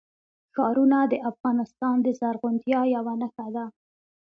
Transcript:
ښارونه د افغانستان د زرغونتیا یوه نښه ده.